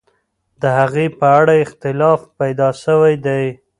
د هغې په اړه اختلاف پیدا سوی دی.